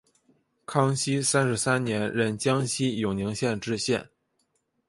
康熙三十三年任江西永宁县知县。